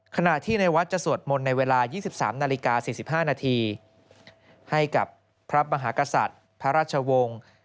ขณะที่ในวัดจะสวดมนต์ในเวลา๒๓นาฬิกา๔๕นาทีให้กับพระมหากษัตริย์พระราชวงศ์